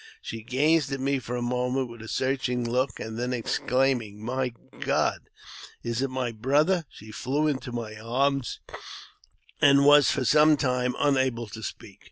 She gazed at me for a moment vath a searching look, and then exclaiming, " My God, it is my brother !" she flew into my arms, and was for some time unable to speak.